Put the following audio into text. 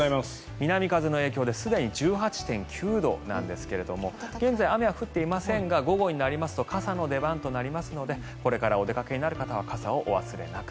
南風の影響ですでに１８．９度なんですが現在、雨は降っていませんが午後になりますと傘の出番となりますのでこれからお出かけになる方は傘をお忘れなく。